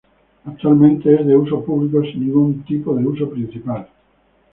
Actualmente es de uso público sin ningún tipo de uso principal.